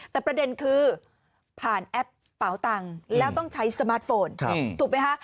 แต่ประเด็นคือผ่านแอปเป๋าตังค์แล้วต้องใช้สมาร์ทโฟนถูกไหมคะ